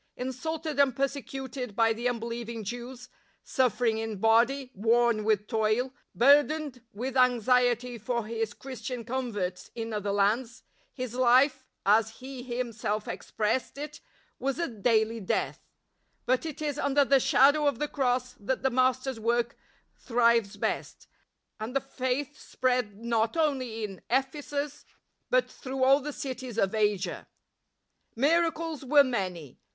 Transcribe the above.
Insulted and persecuted by the unbelieving Jews, suffering in body, worn with toil, bur dened with anxiety for his Cliristian converts in other lands, his life, as he himself expressed 84 LIFE OF ST. PAUL it, was a " daily death." But it is under the shadow of the Cross that the Master's work thrives best; and the Faith spread not only in Ephesus, but through all the cities of Asia. Miracles were many.